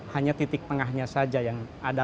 hanya titik tengahnya saja yang ada